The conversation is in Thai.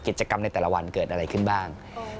กิจกรรมในแต่ละวันเกิดอะไรขึ้นบ้าง